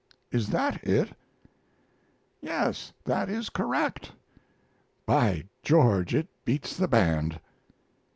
Is that it?" "Yes, that is correct." "By George, it beats the band!"